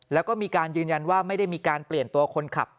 แล้วก็มีการยืนยันว่าไม่ได้มีการเปลี่ยนตัวคนขับ